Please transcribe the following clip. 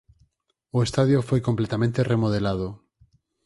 O estadio foi completamente remodelado.